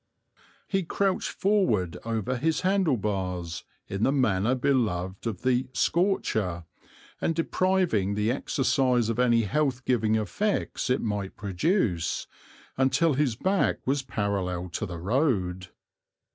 He crouched forward over his handle bars, in the manner beloved of the "scorcher" and depriving the exercise of any health giving effects it might produce, until his back was parallel to the road.